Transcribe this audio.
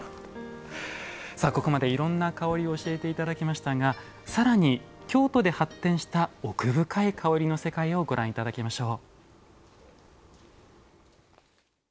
ここまで、いろんな香りを教えていただきましたがさらに、京都で発展した奥深い香りの世界をご覧いただきましょう。